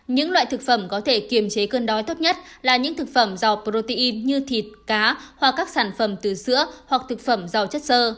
những loại thực phẩm có thể kiềm chế cơn đói tốt nhất là những thực phẩm giàu protein như thịt cá hoặc các sản phẩm từ sữa hoặc thực phẩm giàu chất sơ